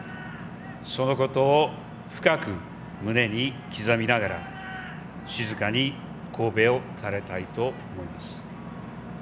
そのことを深く胸に刻みながら静かに頭を垂れたいと思います。